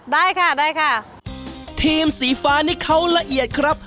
ได้ค่ะได้ค่ะทีมสีฟ้านี่เขาละเอียดครับ